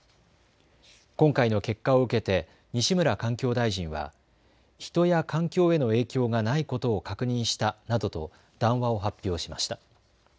今回の結果を受けて西村環境大臣は人や環境への影響がないことを確認したなどと談話を発表しました。